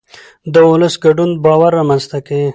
د ولس ګډون باور رامنځته کوي